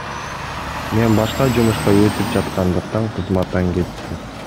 Мен башка жумушка өтүп жаткандыктан кызматтан кеттим.